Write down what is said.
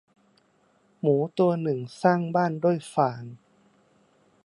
หมูตัวหนึ่งสร้างบ้านด้วยฟาง